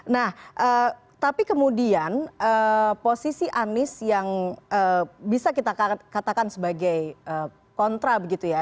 nah tapi kemudian posisi anies yang bisa kita katakan sebagai kontra begitu ya